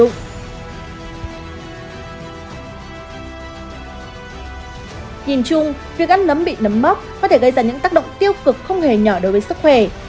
nhìn chung việc ăn nấm bị nấm móc có thể gây ra những tác động tiêu cực không hề nhỏ đối với sức khỏe